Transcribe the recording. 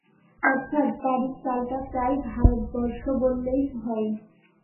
অর্থাৎ, বাড়ির চালটা প্রায় ভারতবর্ষ বললেই হয়।